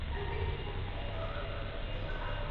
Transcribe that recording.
profesa Wajackoya alisema kwamba